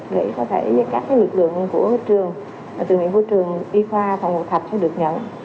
để có thể các cái lực lượng của trường từng lượng của trường y khoa phòng hộ thạch sẽ được nhận